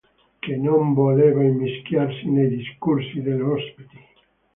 Che non voleva immischiarsi nei discorsi delle ospiti.